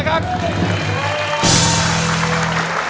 เล่น